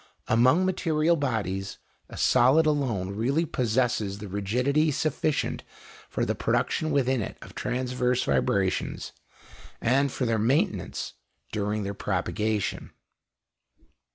Among material bodies, a solid alone really possesses the rigidity sufficient for the production within it of transverse vibrations and for their maintenance during their propagation.